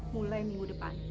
mulai minggu depan